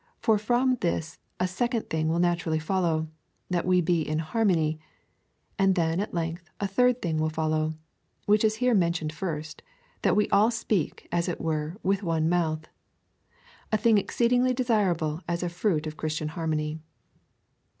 For from this a second thing Avill naturally fol low, — that we be in harmony ; and then at lengih a third thing will follow, which is here mentioned first, — that we all speak, as it were, with one mouth ; a thing exceedingly desirable as a fruit of Christian harmony.